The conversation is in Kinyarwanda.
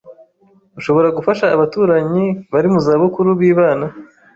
Ushobora gufasha abaturanyi bari mu zabukuru bibana